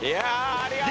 ありがとう。